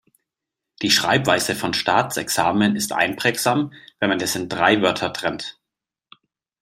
Die Schreibweise von Staatsexamen ist einprägsam, wenn man es in drei Wörter trennt.